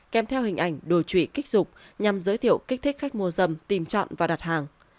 kèm theo hình ảnh đồi trụy kích dục nhằm giới thiệu kích thích khách mua dâm tìm chọn và đặt hàng